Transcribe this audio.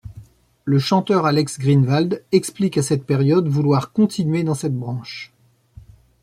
Le chanteur Alex Greenwald explique, à cette période, vouloir continuer dans cette branche.